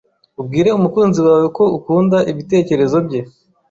ubwire umukunzi wawe ko ukunda ibitekerezo bye